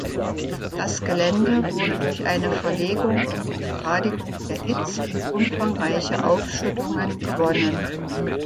Das Gelände wurde durch eine Verlegung und Begradigung der Itz und umfangreiche Aufschüttungen gewonnen.